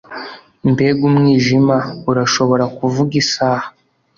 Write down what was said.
Mbega umwijima Urashobora kuvuga isaha